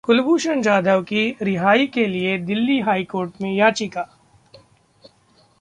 कुलभूषण जाधव की रिहाई के लिए दिल्ली हाईकोर्ट में याचिका